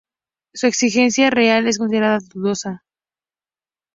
Su existencia real es considerada dudosa.